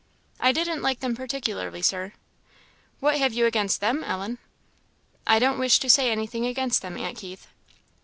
"I didn't like them particularly, Sir." "What have you against them, Ellen?" "I don't wish to say anything against them, Aunt Keith."